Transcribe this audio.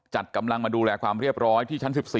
จัดกำลังมาดูแลความเรียบร้อยที่ชั้น๑๔